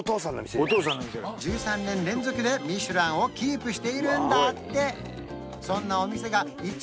１３年連続でミシュランをキープしているんだってそんななんと高え！